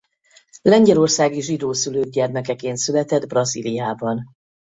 Lengyelországi zsidó szülők gyermekeként született Brazíliában.